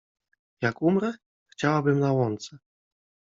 Jak umrę? Chciałabym na łące.